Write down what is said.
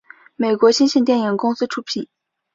美国新线电影公司出品。